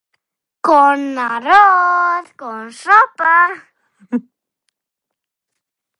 Con arroz, con sopa.